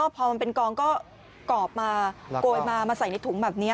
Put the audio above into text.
พอมันเป็นกองก็กรอบมาโกยมามาใส่ในถุงแบบนี้